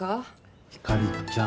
ひかりちゃん